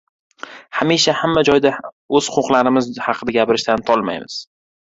Hamisha, hamma joyda o‘z huquqlarimiz haqida gapirishdan tolmaymiz.